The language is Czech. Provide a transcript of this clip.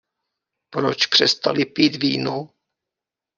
Proč přestali pít víno?